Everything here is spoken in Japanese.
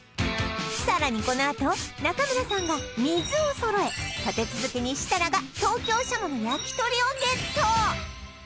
さらにこのあと中村さんが水を揃え立て続けに設楽が東京軍鶏の焼き鳥をゲット！